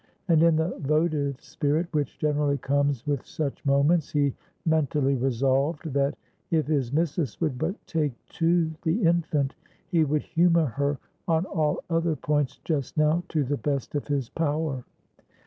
And, in the votive spirit which generally comes with such moments, he mentally resolved that, if his missus would but "take to" the infant, he would humor her on all other points just now to the best of his power.